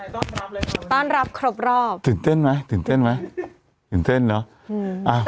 ต้อนรับเลยต้อนรับครบรอบตื่นเต้นไหมตื่นเต้นไหมตื่นเต้นเนอะอืมอ่า